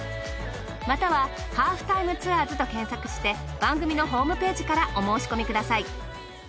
または『ハーフタイムツアーズ』と検索して番組のホームページからお申し込みください。